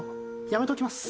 やめときます。